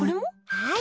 はい。